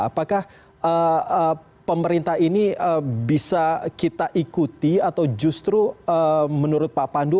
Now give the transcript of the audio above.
apakah pemerintah ini bisa kita ikuti atau justru menurut pak pandu